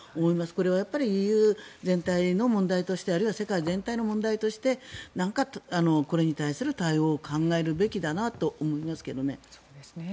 これはやっぱりＥＵ全体の問題としてあるいは世界全体の問題として何かこれに対する対応を考えるべきだと思いますけどね。